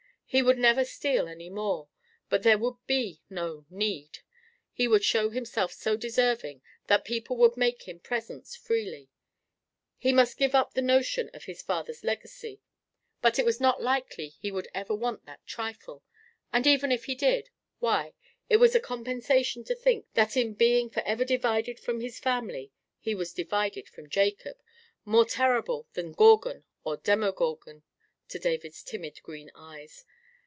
He would never steal any more, but there would be no need; he would show himself so deserving, that people would make him presents freely. He must give up the notion of his father's legacy; but it was not likely he would ever want that trifle; and even if he did—why, it was a compensation to think that in being for ever divided from his family he was divided from Jacob, more terrible than Gorgon or Demogorgon to David's timid green eyes.